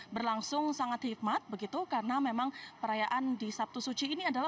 berlangsung sangat hikmat begitu karena memang perayaan di sabtu suci ini adalah